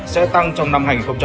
xu hướng tấn công tiền má hóa nft